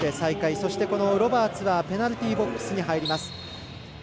そして、ロバーツはペナルティーボックスに入ります。